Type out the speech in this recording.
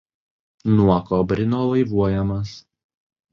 Nuo Kobrino laivuojamas.